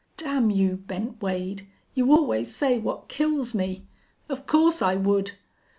"Damn you, Bent Wade! You always say what kills me!... Of course I would!"